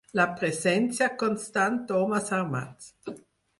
La presència constant d'homes armats